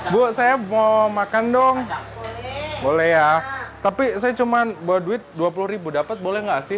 bu saya mau makan dong boleh ya tapi saya cuma bawa duit dua puluh ribu dapat boleh nggak sih